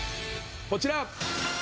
こちら！